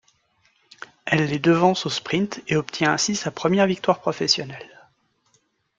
Elle les devance au sprint et obtient ainsi sa première victoire professionnelle.